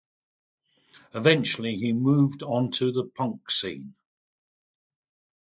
Eventually, he moved onto the punk scene.